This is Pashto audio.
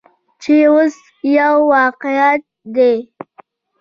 چې اوس یو واقعیت دی.